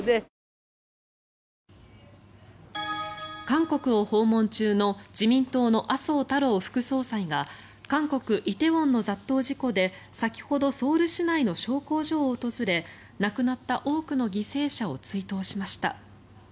韓国を訪問中の自民党の麻生太郎副総裁が韓国・梨泰院の雑踏事故で先ほどソウル市内の焼香所を訪れ亡くなった多くの犠牲者を追悼しました。